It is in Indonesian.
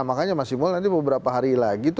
makanya mas imul nanti beberapa hari lagi tuh